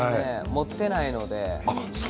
持っていないので。